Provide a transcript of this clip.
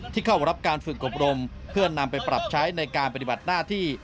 เข้ารับการฝึกอบรมเพื่อนำไปปรับใช้ในการปฏิบัติหน้าที่